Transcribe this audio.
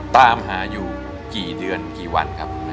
ตามหาอยู่กี่เดือนกี่วันครับ